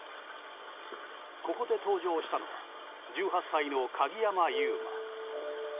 ここで登場したのは１８歳の鍵山優真。